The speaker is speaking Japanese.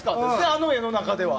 あの絵の中では。